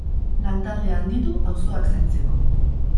Lantaldea handitu, auzoak zaintzeko.